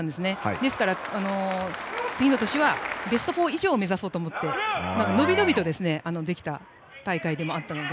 ですから次の年はベスト４以上を目指そうと思って伸び伸びとできた大会でもあったので。